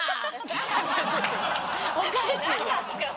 おかしい。